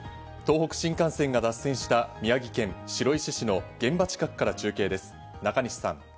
東北新幹線が脱線した宮城県白石市の現場近くから中継です、中西さん。